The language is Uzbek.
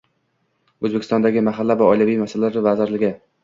O'zbekistondagi Mahala va oilaviy masalalar vazirligi